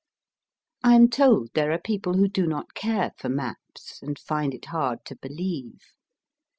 I am told there are people who do not care for maps, and find it hard to believe.